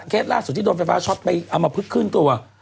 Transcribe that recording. ล่าสุดที่โดนไฟฟ้าช็อตไปเอามาพึกขึ้นตัว